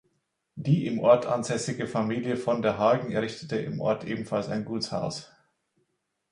Die im Ort ansässige Familie von der Hagen errichtete im Ort ebenfalls ein Gutshaus.